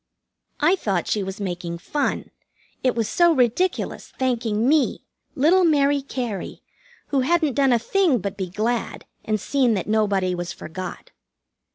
I thought she was making fun, it was so ridiculous, thanking me, little Mary Cary, who hadn't done a thing but be glad and seen that nobody was forgot.